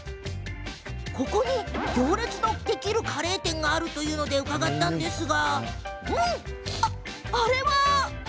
ここに、行列のできるカレー店があるというので伺ったんですがあれは？